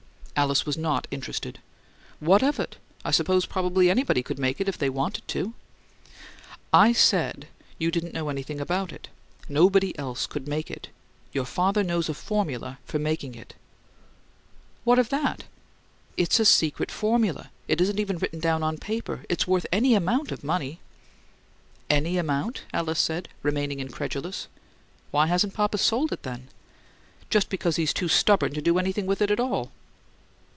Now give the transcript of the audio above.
Alice was not interested. "What of it? I suppose probably anybody could make it if they wanted to." "I SAID you didn't know anything about it. Nobody else could make it. Your father knows a formula for making it." "What of that?" "It's a secret formula. It isn't even down on paper. It's worth any amount of money." "'Any amount?'" Alice said, remaining incredulous. "Why hasn't papa sold it then?" "Just because he's too stubborn to do anything with it at all!"